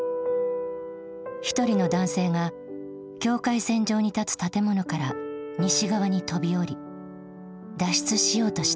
一人の男性が境界線上に立つ建物から西側に飛び降り脱出しようとしていた。